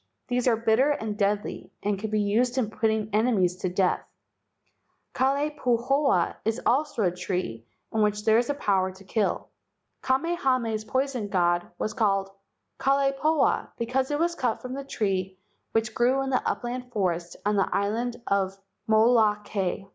These are bitter and deadly and can be used in putting enemies to death. Kalai pahoa is also a tree in which there is the power to kill." Kamehameha's poison god was called Kalai pahoa, because it was cut from that tree which KALAI PAHOA, THE POISON GOD log grew in the upland forest on the island of Molokai.